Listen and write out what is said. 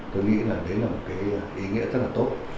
tôi nghĩ là đấy là một cái ý nghĩa rất là tốt